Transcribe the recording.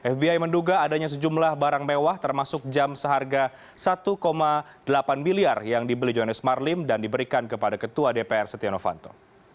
fbi menduga adanya sejumlah barang mewah termasuk jam seharga satu delapan miliar yang dibeli johannes marlim dan diberikan kepada ketua dpr setia novanto